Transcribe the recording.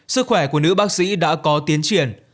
sức khỏe của nữ bác sĩ đã có tiến triển